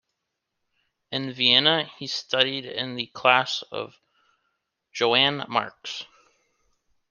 In Vienna, he studied in the class of Johan Marx.